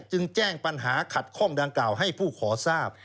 จึงแจ้งปัญหาขัดข้องดังกล่าวให้ผู้ขอทราบ